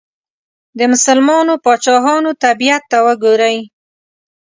د مسلمانو پاچاهانو طبیعت ته وګورئ.